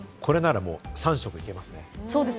これなら３食いけますね。